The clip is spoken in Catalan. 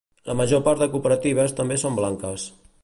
La major part de cooperatives també són blanques.